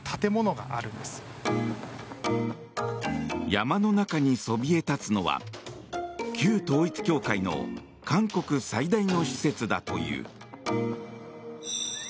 山の中にそびえ立つのは旧統一教会の韓国最大の施設だという。